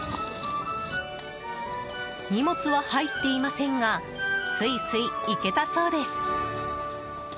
荷物は入っていませんがスイスイ行けたそうです。